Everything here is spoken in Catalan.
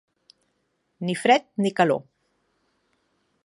Ni fred ni calor.